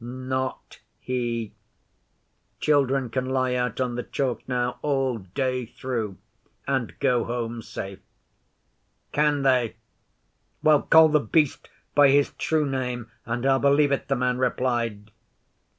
'Not he. Children can lie out on the Chalk now all day through and go home safe.' 'Can they? Well, call The Beast by his True Name, and I'll believe it,' the man replied.